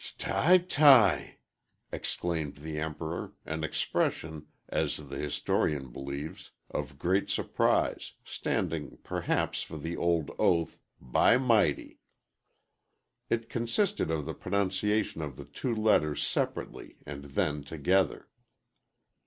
"T y ty!" exclaimed the Emperor, an expression, as the historian believes', of great surprise, standing, perhaps, for the old oath "By 'Mighty." It consisted of the pronunciation of the two letters separately and then together.